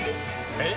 えっ？